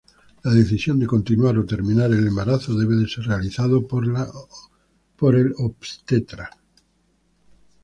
La decisión de continuar o terminar el embarazo debe ser realizado por el obstetra.